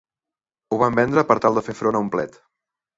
Ho van vendre per tal de fer front a un plet.